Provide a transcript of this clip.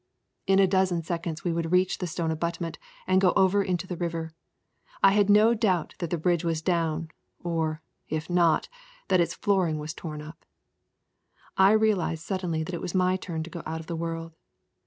In a dozen seconds we would reach the stone abutment and go over into the river. I had no doubt that the bridge was down, or, if not, that its flooring was torn up. I realised suddenly that it was my turn to go out of the world.